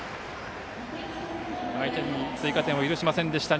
相手に追加点を許しませんでした。